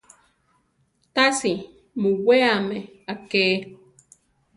Tasi muweame aké.